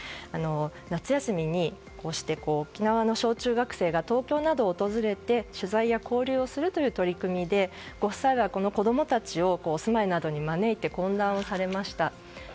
夏休みに沖縄の小中学生が東京などを訪れて取材や交流をするという取り組みでご夫妻はこの子供たちをお住まいなどに招いて懇談されました。